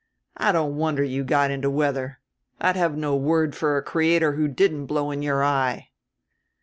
I don't wonder you got into weather; I'd have no word for a Creator who didn't blow in your eye."